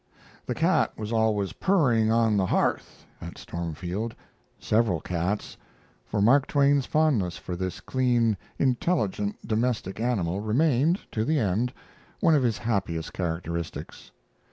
The cat was always "purring on the hearth" at Stormfield several cats for Mark Twain's fondness for this clean, intelligent domestic animal remained, to the end, one of his happiest characteristics.